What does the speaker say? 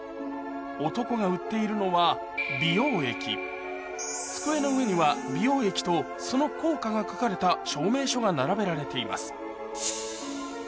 男が売っているのは机の上には美容液とその効果が書かれた証明書が並べられています